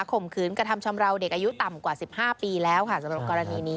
ข่มขืนกระทำชำราวเด็กอายุต่ำกว่า๑๕ปีแล้วค่ะสำหรับกรณีนี้